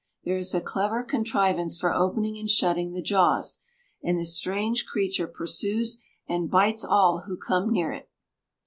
There is a clever contrivance for opening and shutting the jaws, and this strange creature pursues and bites all who come near it.